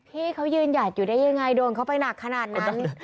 พี่เขายืนหยัดอยู่ได้ยังไงโดนเข้าไปหนักขนาดนั้น